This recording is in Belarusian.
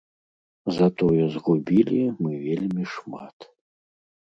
Затое згубілі мы вельмі шмат.